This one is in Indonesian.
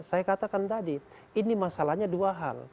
saya katakan tadi ini masalahnya dua hal